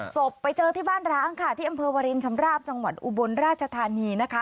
ศพไปเจอที่บ้านร้างค่ะที่อำเภอวรินชำราบจังหวัดอุบลราชธานีนะคะ